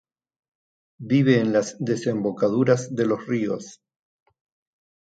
Vive en las desembocaduras de los ríos.